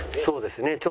そうですね。